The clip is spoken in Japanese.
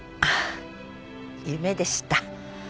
夢でした。